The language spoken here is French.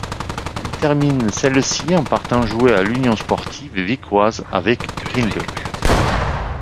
Il termine celle-ci en partant jouer à l'Union sportive vicquoise avec Guinle.